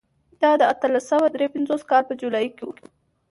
دا د اتلس سوه درې پنځوس کال په جولای کې و.